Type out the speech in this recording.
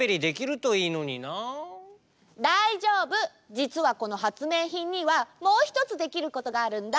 じつはこのはつめいひんにはもうひとつできることがあるんだ。